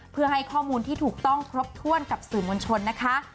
เพื่อให้ข้อมูลที่ถูกต้องครบถ้วนกับสื่อมวลชนนะคะ